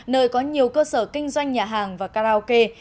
nơi có nhiều cơ sở kinh doanh nhà hàng và karaoke